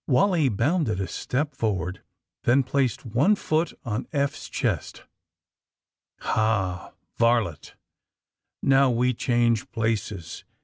Wally bounded a step forward, then placed one foot on Eph's chest. ^^Ha, varlet! Now we change places!"